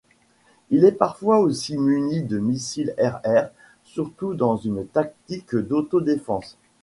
Il est parfois aussi muni de missiles air-air, surtout dans une tactique d'auto-défense.